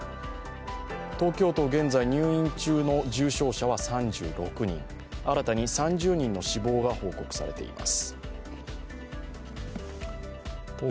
東京都、現在入院中の重症者は３６人新たに３０人の死亡が報告されています。